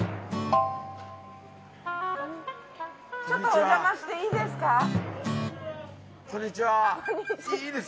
ちょっとおじゃましていいですか？